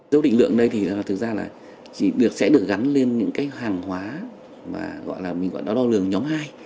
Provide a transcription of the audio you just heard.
dấu định lượng đây thì thực ra là sẽ được gắn lên những cái hàng hóa mà gọi là mình gọi đó đo lường nhóm hai